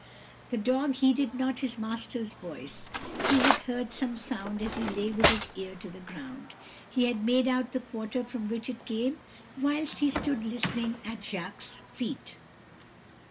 "The dog heeded not his master's voice. He had heard some sound as he lay with his ear to the ground; he had made out the quarter from which it came whilst he stood listening at Jacques' feet.